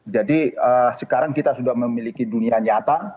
jadi sekarang kita sudah memiliki dunia nyata